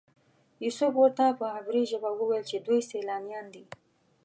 یوسف ورته په عبري ژبه وویل چې دوی سیلانیان دي.